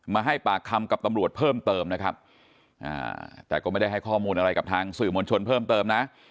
มาให้ปากคำกับตำรวจเพิ่มเติมนะครับแต่ก็ไม่ได้ให้ข้อมูลอะไรกับทางสื่อมวลชนเพิ่มเติมนะ